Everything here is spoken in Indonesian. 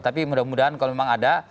tapi mudah mudahan kalau memang ada